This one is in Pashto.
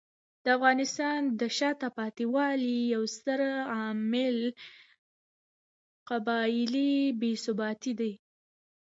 د افغانستان د شاته پاتې والي یو ستر عامل قبایلي بې ثباتي دی.